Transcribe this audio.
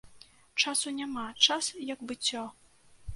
Часу няма, час як быццё.